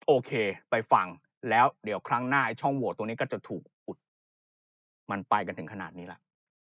โอเคไปฟังแล้วเดี๋ยวครั้งหน้าไอ้ช่องโหวตตรงนี้ก็จะถูกอุดมว่ามันไปกันถึงขนาดนี้ล่ะ